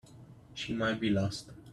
She may be lost.